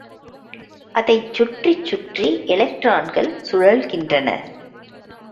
அதைச் சுற்றி சுற்றி எலக்ட்ரான்கள் சுழல்கின்றன.